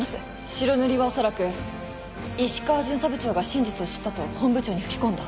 白塗りは恐らく石川巡査部長が真実を知ったと本部長に吹き込んだ。